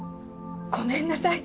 ごめんなさい。